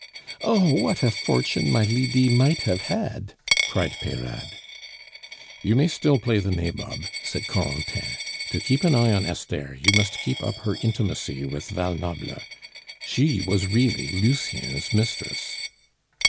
"Oh! what a fortune my Lydie might have had!" cried Peyrade. "You may still play the nabob," said Corentin. "To keep an eye on Esther you must keep up her intimacy with Val Noble. She was really Lucien's mistress."